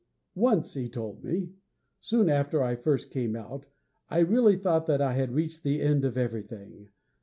'Once,' he told me, 'soon after I first came out, I really thought that I had reached the end of everything.